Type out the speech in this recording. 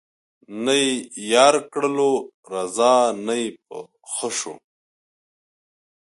نه یې یار کړلو رضا نه یې په ښه شو